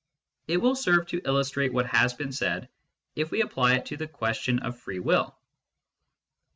It will serve to illustrate what has been said if we apply it to the question of free will.